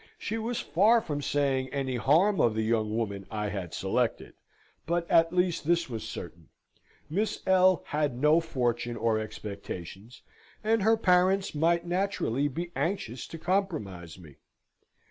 She was far from saying any harm of the young woman I had selected; but at least this was certain, Miss L. had no fortune or expectations, and her parents might naturally be anxious to compromise me.